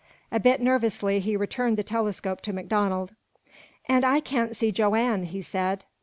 A bit nervously he returned the telescope to MacDonald. "And I can't see Joanne," he said.